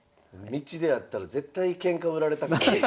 道であったら絶対ケンカ売られたくない。